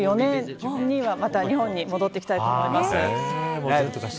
来年、２０２４年にはまた日本に戻ってきたいと思います。